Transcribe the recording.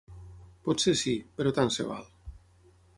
Potser sí, però tant se val.